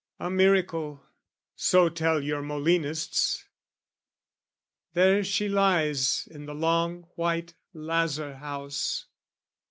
A miracle, so tell your Molinists! There she lies in the long white lazar house.